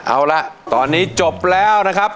เอาละตอนนี้จบแล้วนะครับ